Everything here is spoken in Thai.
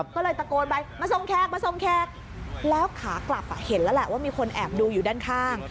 ก็เลยตะโกนไปมาส่งแขกมาส่งแขกแล้วขากลับเห็นแล้วแหละว่ามีคนแอบดูอยู่ด้านข้าง